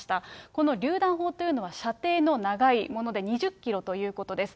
このりゅう弾砲というのは、射程の長いもので、２０キロということです。